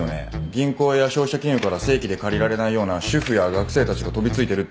銀行や消費者金融から正規で借りられないような主婦や学生たちが飛びついてるって。